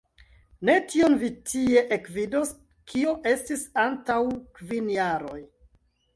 Ne tion vi tie ekvidos, kio estis antaŭ kvin jaroj!